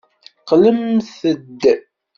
Qqlemt-d.